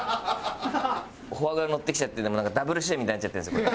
フォアグラのってきちゃってなんかダブル主演みたいになっちゃってるんですよ